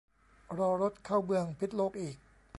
รอรถเข้าเมืองพิดโลกอีก